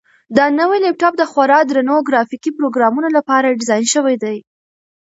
دا نوی لپټاپ د خورا درنو ګرافیکي پروګرامونو لپاره ډیزاین شوی دی.